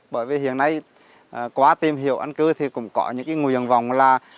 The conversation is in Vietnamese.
bởi vì hiện nay qua tìm hiểu anh cứ thì cũng có những cái nguyên vọng là